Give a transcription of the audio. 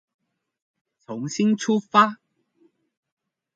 從心出發